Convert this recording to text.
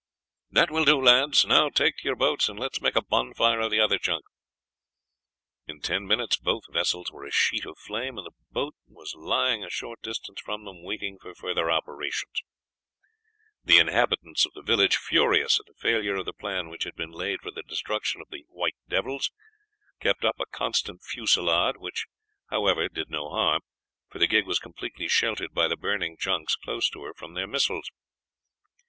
"That will do, lads. Now take to your boats and let's make a bonfire of the other junk." In ten minutes both vessels were a sheet of flame, and the boat was lying a short distance from them waiting for further operations. The inhabitants of the village, furious at the failure of the plan which had been laid for the destruction of the "white devils," kept up a constant fusillade, which, however, did no harm, for the gig was completely sheltered by the burning junks close to her from their missiles.